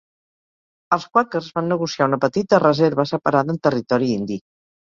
Els quàquers van negociar una petita reserva separada en territori indi.